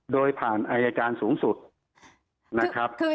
โดยผ่านอายการสูงสุดนะครับ